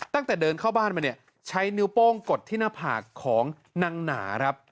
ตั้งแต่เดินเข้าบ้านมาเนี่ยใช้นิ้วโป้งกดที่หน้าผากของนางหนาครับ